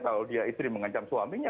kalau dia istri mengancam suaminya